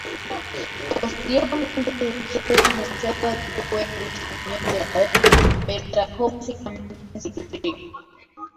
Posteriormente dirigió el Museo del Pueblo Español de Madrid, pero trabajó básicamente en solitario.